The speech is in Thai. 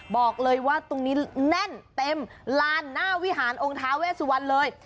บอกเลยว่าตรงนี้แน่นเต็มลานหน้าวิหารองค์ท้าเวสวันเลย